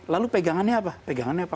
lalu pegangannya apa pegangannya apa